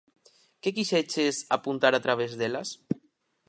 Que quixeches apuntar a través delas?